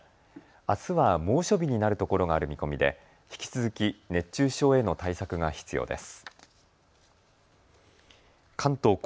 あすは猛暑日になるところがある見込みで引き続き熱中症への対策が必要です。